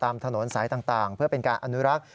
ถนนสายต่างเพื่อเป็นการอนุรักษ์